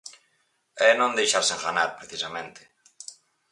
E non deixarse enganar, precisamente.